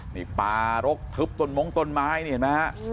นี่ปลารกทึบต้นมงต้นไม้นี่เห็นไหมฮะ